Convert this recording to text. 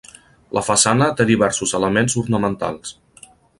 La façana té diversos elements ornamentals.